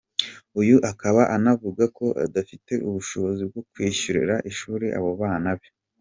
Uyu akaba anavuga ko adafite ubushobozi bwo kwishyurira ishuri abo bana be.